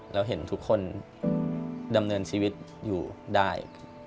เราเห็นทุกคนดำเนินชีวิตอยู่ได้